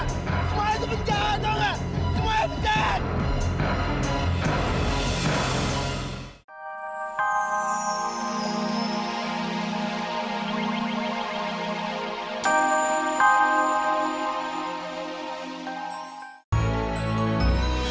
semuanya sepenuhnya ada dong semuanya sepenuhnya ada